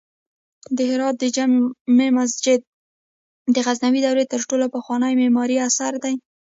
د هرات د جمعې مسجد د غزنوي دورې تر ټولو پخوانی معماری اثر دی